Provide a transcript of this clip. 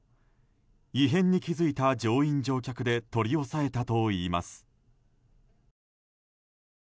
異変に気付いた乗員・乗客で取り押さえたといいます。